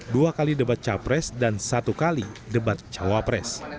dua kali debat capres dan satu kali debat cawapres